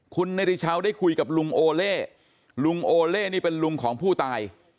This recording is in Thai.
คุณนาฬิชาวได้คุยกับลุงโอเล่ลุงโอเล่นี่เป็นลุงของผู้ตาย